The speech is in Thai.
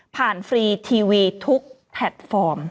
ฟรีทีวีทุกแพลตฟอร์ม